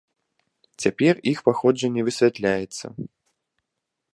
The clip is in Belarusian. Цяпер іх паходжанне высвятляецца.